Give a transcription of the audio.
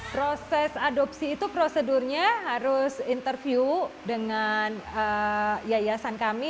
proses adopsi itu prosedurnya harus interview dengan yayasan kami